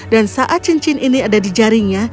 dan saat cincin ini ada di jaringnya